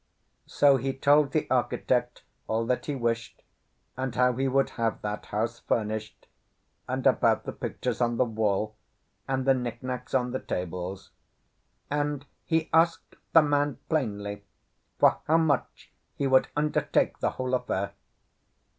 So he told the architect all that he wished, and how he would have that house furnished, and about the pictures on the wall and the knick knacks on the tables; and he asked the man plainly for how much he would undertake the whole affair.